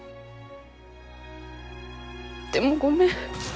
でもごめん。